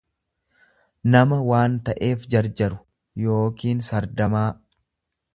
nama waan ta'eef jarjaru yookiin sardamaa.